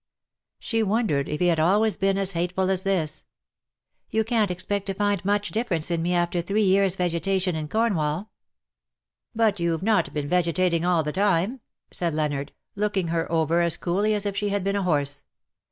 She wondered if he had always been as hateful as this. " You can^t expect to find much difference in me after three years^ vegetation in Cornwall." " But youVe not been vegetating all the time," said Leonard, looking her over as coolly as if she had been a horse.